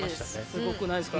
すごくないですか？